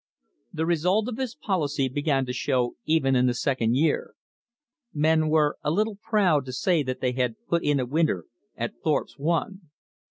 The result of his policy began to show even in the second year. Men were a little proud to say that they had put in a winter at "Thorpe's One."